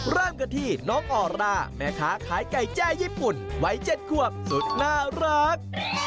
เริ่มกันที่น้องออร่าแม่ค้าขายไก่แจ้ญี่ปุ่นวัย๗ควบสุดน่ารัก